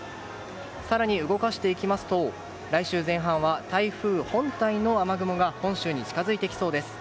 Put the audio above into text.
更に動かしていきますと来週前半は台風本体の雨雲が本州に近づいてきそうです。